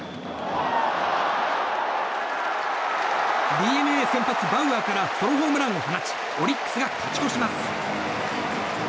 ＤｅＮＡ先発、バウアーからソロホームランを放ちオリックスが勝ち越します。